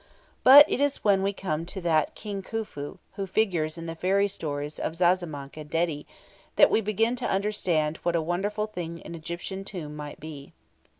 But it is when we come to that King Khufu, who figures in the fairy stories of Zazamankh and Dedi, that we begin to understand what a wonderful thing an Egyptian tomb might be.